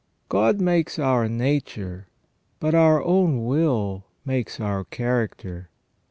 God makes our nature, but our own will makes our character.